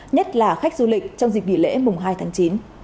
nhất là khách du lịch trong dịch vỉ lễ mùng hai tháng chín